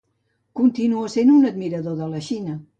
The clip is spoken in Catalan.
Continua sent un admirador de la Xina.